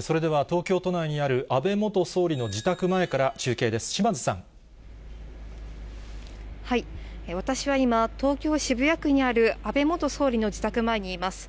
それでは、東京都内にある安倍元総理の自宅前から中継です、私は今、東京・渋谷区にある安倍元総理の自宅前にいます。